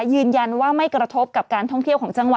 ยืนยันว่าไม่กระทบกับการท่องเที่ยวของจังหวัด